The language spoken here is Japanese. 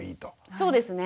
そうですね。